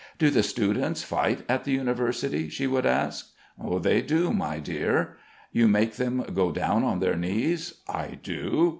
"Do the students fight at the University?" she would ask. "They do, my dear." "You make them go down on their knees?" "I do."